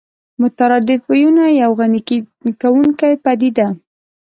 مترادف ويونه يوه غني کوونکې پدیده